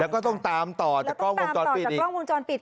แล้วก็ต้องตามต่อจากกล้องวงจรปิดแล้วต้องตามต่อจากกล้องวงจรปิด